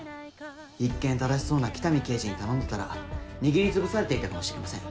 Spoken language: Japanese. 一見正しそうな北見刑事に頼んでたら握りつぶされていたかもしれません。